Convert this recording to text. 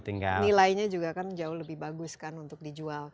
nilainya juga kan jauh lebih bagus kan untuk dijual